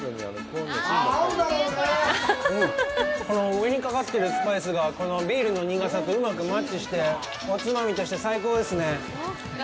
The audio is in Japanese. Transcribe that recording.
この上にかかってるスパイスが、このビールの苦さとうまくマッチして、おつまみとして最高ですね。